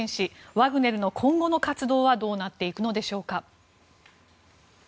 ワグネルの今後の活動はどうなっていくのでしょうか。